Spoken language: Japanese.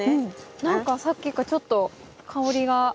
何かさっきからちょっと香りが。